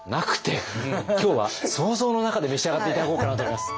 今日は想像の中で召し上がって頂こうかなと思います。